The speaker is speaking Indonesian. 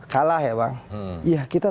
kalah ya bang ya kita